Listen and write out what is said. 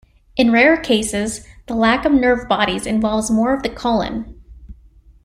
In rare cases, the lack of nerve bodies involves more of the colon.